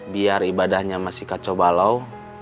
biar ibadahnya masih kacau balau